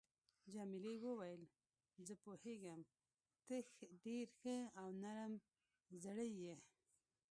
جميلې وويل: زه پوهیږم ته ډېر ښه او نرم زړی یې.